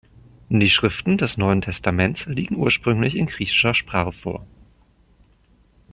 Die Schriften des Neuen Testaments liegen ursprünglich in griechischer Sprache vor.